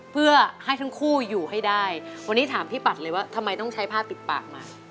เพื่อให้ทั้งคู่อยู่ให้ได้วันนี้ถามพี่ปัดเลยว่าทำไมต้องใช้ผ้าปิดปากมา